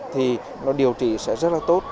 thì điều trị sẽ rất là tốt